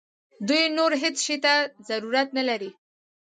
دوی نور هیڅ شي ته ضرورت نه لري.